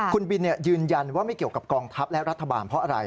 คุณบินยืนยันว่าไม่เกี่ยวกับกองทัพและรัฐบาลเพราะอะไร